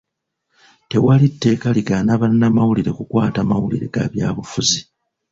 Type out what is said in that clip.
Tewali tteeka ligaana bannamawulire kukwata mawulire ga byabufuzi.